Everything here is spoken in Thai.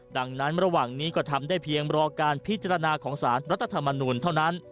ดังนั้นระหว่างนี้ก็ทำได้เพียงรอการพิจารณาของสารรัฐธรรมนูลเท่านั้น